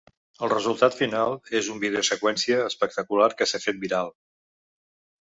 El resultat final és un vídeo seqüència espectacular que s’ha fet viral.